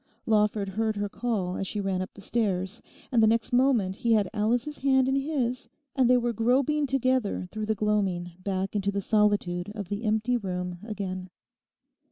Lawford heard her call as she ran up the stairs; and the next moment he had Alice's hand in his and they were groping together through the gloaming back into the solitude of the empty room again.